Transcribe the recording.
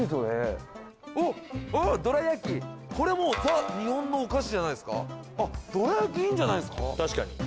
ザ日本のお菓子！じゃないですかどら焼きいいんじゃないですか。